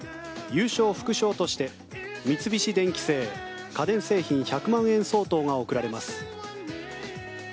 優勝副賞として三菱電機製家電製品１００万円相当が贈られます。